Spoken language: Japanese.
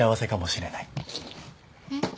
えっ？